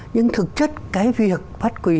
nhưng thực chất cái việc bắt quỳ